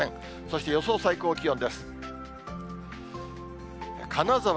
そして予想最高気温です。